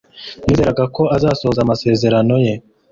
Nizeraga ko azasohoza amasezerano ye